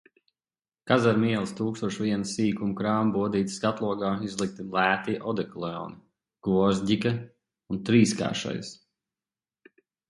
Kazarmu ielas tūkstoš viena sīkuma krāmu bodītes skatlogā izlikti lētie odekoloni, "Gvozģika" un "Trīskāršais".